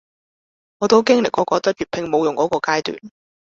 我都經歷過覺得粵拼冇用箇個階段